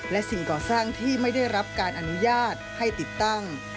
และสิ่งก่อสร้างที่ไม่ได้รับการอนุญาตให้ติดตั้ง